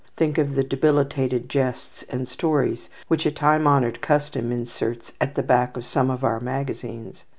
Think of the debilitated jests and stories which a time honoured custom inserts at the back of some of our magazines.